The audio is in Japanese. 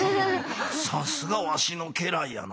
さすがわしの家来やな。